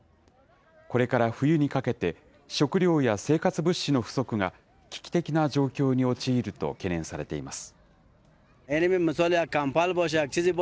これから冬にかけて、食料や生活物資の不足が危機的な状況に陥ると懸念されています。